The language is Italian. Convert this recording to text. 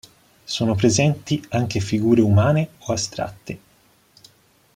Sono presenti anche figure umane o astratte.